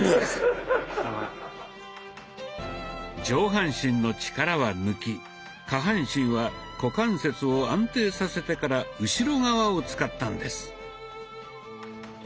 上半身の力は抜き下半身は股関節を安定させてから後ろ側を使ったんです。